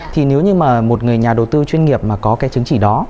thì nếu như mà một người nhà đầu tư chuyên nghiệp mà có cái chứng chỉ đó